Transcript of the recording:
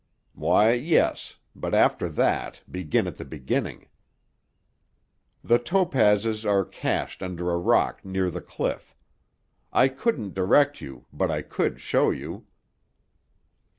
"Why, yes. But after that, begin at the beginning." "The topazes are cached under a rock near the cliff. I couldn't direct you, but I could show you."